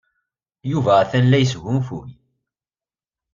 Yuba atan la yesgunfuy.